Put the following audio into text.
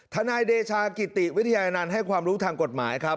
นายเดชากิติวิทยานันต์ให้ความรู้ทางกฎหมายครับ